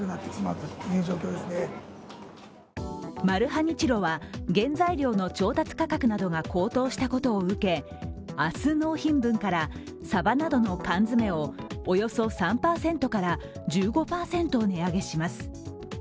マルハニチロは原材料の調達価格などが高騰したことを受け、明日納品分からさばなどの缶詰をおよそ３％から１５％値上げします。